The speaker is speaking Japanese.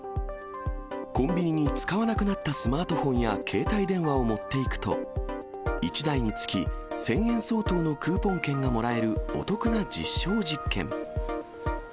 コンビニに使わなくなったスマートフォンや携帯電話を持っていくと、１台につき１０００円相当のクーポン券がもらえる、お得な実証実験。